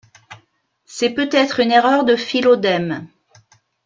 C'est peut-être une erreur de Philodème.